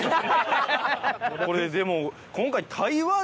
これでも今回。